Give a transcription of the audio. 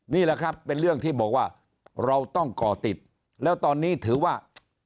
นี่แหละครับเป็นเรื่องที่บอกว่าเราต้องก่อติดแล้วตอนนี้ถือว่า